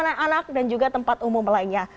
tempat berumur anak dan juga tempat umum lainnya